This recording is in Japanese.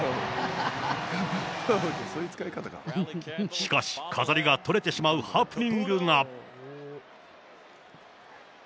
しかし、飾りが取れてしまうハプニングが。